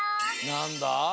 なんだ？